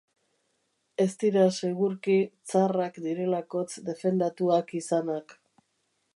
Ez dira segurki tzarrak direlakotz defendatuak izanak.